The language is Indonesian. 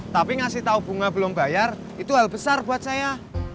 tapi ngasih tahu bunga belum bayar itu hal besar buat saya